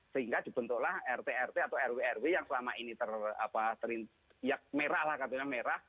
sehingga dibentuklah rtrw yang selama ini merah lah katanya